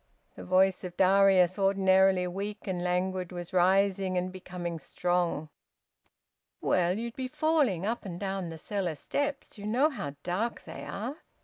The voice of Darius, ordinarily weak and languid, was rising and becoming strong. "Well, you'd be falling up and down the cellar steps. You know how dark they are.